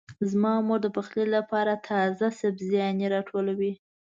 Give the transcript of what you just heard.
زما مور د پخلي لپاره تازه سبزيانې راټولوي.